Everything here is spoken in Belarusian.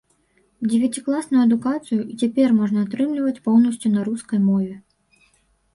Дзевяцікласную адукацыю і цяпер можна атрымліваць поўнасцю на рускай мове.